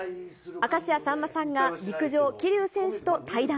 明石家さんまさんが陸上、桐生選手と対談。